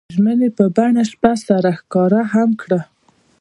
هغوی د ژمنې په بڼه شپه سره ښکاره هم کړه.